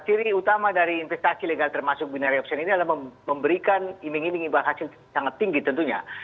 ciri utama dari investasi legal termasuk binary option ini adalah memberikan iming iming imbal hasil sangat tinggi tentunya